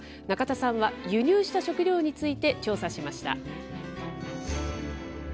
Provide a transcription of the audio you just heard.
中田さんは輸入した食料について調査しました。